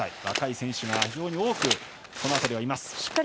若い選手が非常に多く、この辺りはいます。